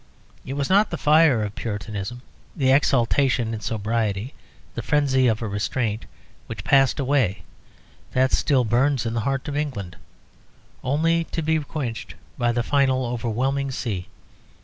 It was not the fire of Puritanism, the exultation in sobriety, the frenzy of a restraint, which passed away; that still burns in the heart of England, only to be quenched by the final overwhelming sea.